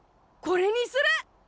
これにする。